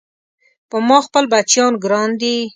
په ما خپل بچيان ګران دي